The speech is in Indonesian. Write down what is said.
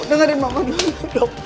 dengerin mama dulu dok